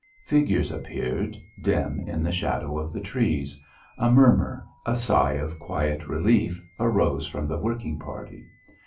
Figures appeared, dim in the shadow of the trees. A murmur, a sigh of quiet relief, arose from the working party.